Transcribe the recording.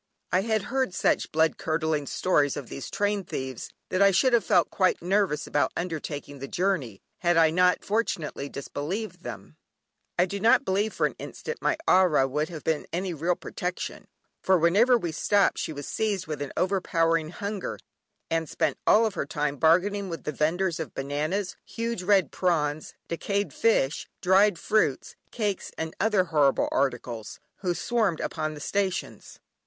I had heard such blood curdling stories of these train thieves that I should have felt quite nervous about undertaking the journey, had I not fortunately disbelieved them. I do not for an instant believe my ayah would have been any real protection, for whenever we stopped she was seized with an overpowering hunger, and spent all her time bargaining with the vendors of bananas, huge red prawns, decayed fish, dried fruits, cakes, and other horrible articles, who swarmed upon the stations.